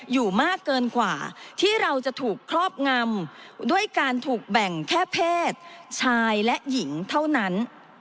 อยู่มากเกินกว่าที่เราจะถูกครอบงำด้วยการถูกแบ่งแค่เพศชายและหญิงเท่านั้น